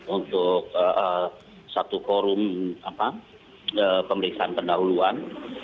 untuk satu forum pemeriksaan pendahuluan